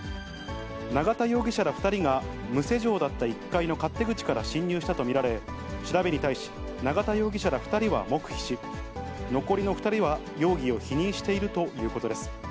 永田容疑者ら２人が無施錠だった１階の勝手口から侵入したと見られ、調べに対し、永田容疑者ら２人は黙秘し、残りの２人は容疑を否認しているということです。